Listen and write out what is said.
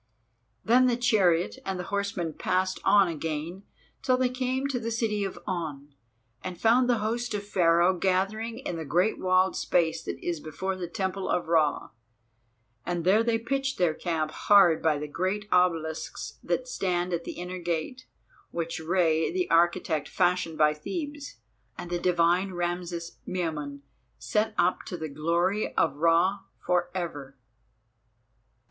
Then the chariot and the horsemen passed on again, till they came to the city of On, and found the host of Pharaoh gathering in the great walled space that is before the Temple of Ra. And there they pitched their camp hard by the great obelisks that stand at the inner gate, which Rei the architect fashioned by Thebes, and the divine Rameses Miamun set up to the glory of Ra for ever.